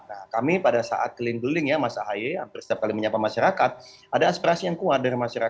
nah kami pada saat keliling keliling ya mas ahaye hampir setiap kali menyapa masyarakat ada aspirasi yang kuat dari masyarakat